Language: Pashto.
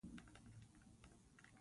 مولانا فضل الرحمان د اوربند غوښتنه وکړه.